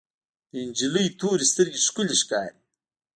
د انجلۍ تورې سترګې ښکلې ښکاري.